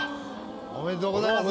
おめでとうございます。